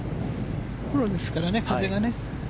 フォローですからね風がね。